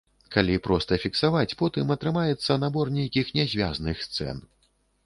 Калі проста фіксаваць, потым атрымаецца набор нейкіх нязвязных сцэн.